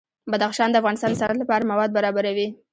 بدخشان د افغانستان د صنعت لپاره مواد برابروي.